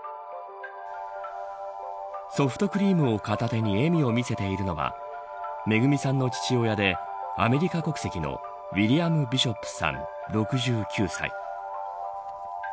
ソフトクリームを片手に笑みを見せているのは恵さんの父親でアメリカ国籍のウィリアム・ビショップさん６９歳。